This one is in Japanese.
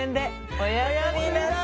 おやすみなさい。